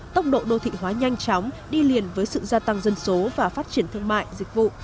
tốc độ đô thị hóa nhanh chóng đi liền với sự gia tăng dân số và phát triển thương mại dịch vụ